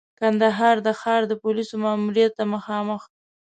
کندهار د ښار د پولیسو ماموریت ته مخامخ.